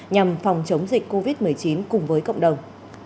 nhằm phòng chống dịch covid một mươi chín cùng với cộng đồng